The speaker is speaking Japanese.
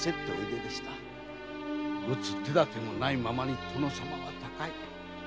打つ手だてもないままに殿様は他界。